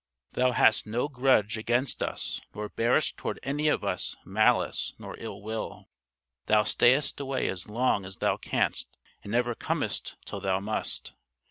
Thou hast no grudge against us nor bearest toward any of us malice nor ill will! Thou stayest away as long as thou canst and never comest till thou must!